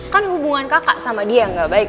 kan hubungan kakak sama dia yang gak baik